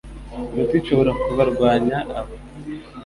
imitwe ishobora kubarwanya aho